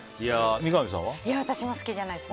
私も好きじゃないです。